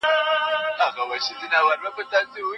د کتاب لوستلو لپاره ښکلی میز جوړ کړئ.